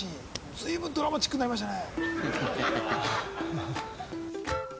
ずいぶんドラマチックになりましたね。